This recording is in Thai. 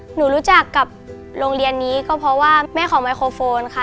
หนูรู้จักกับโรงเรียนนี้ก็เพราะว่าแม่ของไมโครโฟนค่ะ